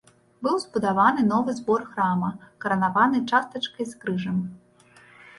Быў збудаваны новы збор храма, каранаваны частачкай з крыжам.